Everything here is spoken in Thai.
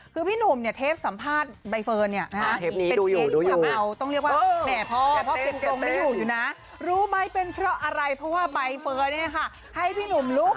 คือพี่หนุ่มเนี่ยเทปสัมภาษณ์ใบเฟิร์นเนี่ย